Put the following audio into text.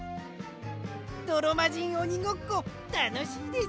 どろまじんおにごっこたのしいです！